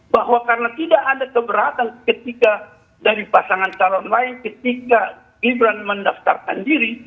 bahwa karena tidak ada keberatan ketika dari pasangan calon lain ketika gibran mendaftarkan diri